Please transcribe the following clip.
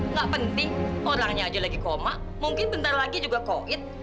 nggak penting orangnya aja lagi koma mungkin bentar lagi juga koid